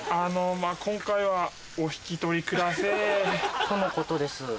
今回はお引き取りくだせぇ。とのことです。